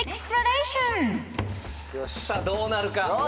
さあどうなるか。